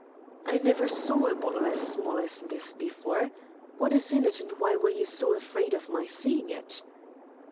'I never saw a bottle as small as this before. What is in it and why were you so afraid of my seeing it?'